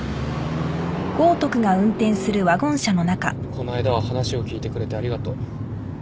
・こないだは話を聞いてくれてありがとう。